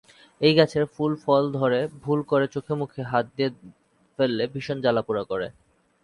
এই গাছের ফুল-ফল ধরে ভুল করে চোখে মুখে হাত দিয়ে ফেললে ভীষণ জ্বালা-পোড়া করে।